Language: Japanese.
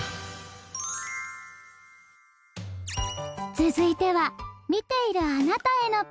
続いては見ているあなたへの・あ！